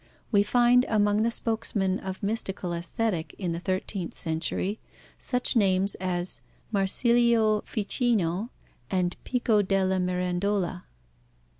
We find among the spokesmen of mystical Aesthetic in the thirteenth century such names as Marsilio Ficino and Pico della Mirandola.